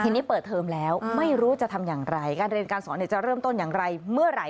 ทีนี้เปิดเทอมแล้วไม่รู้จะทำอย่างไรการเรียนการสอนจะเริ่มต้นอย่างไรเมื่อไหร่